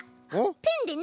ペンでね